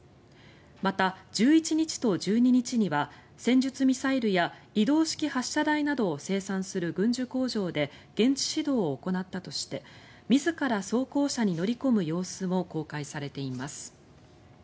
また１１日と１２日には戦術ミサイルや移動式発射台などを生産する軍需工場で現地指導を行ったとして自ら装甲車に乗り込む様子も公開されています。